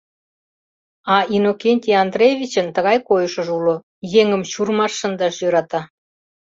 А Иннокентий Андреевичын тыгай койышыжо уло: еҥым чурмаш шындаш йӧрата.